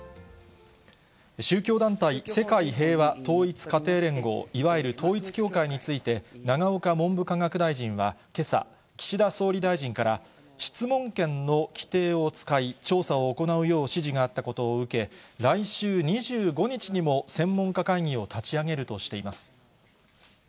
宗教団体、世界平和統一家庭連合、いわゆる統一教会について、永岡文部科学大臣は、けさ、岸田総理大臣から、質問権の規定を使い、調査を行うよう指示があったことを受け、来週２５日にも、専門家会議を立ち上げるとしています。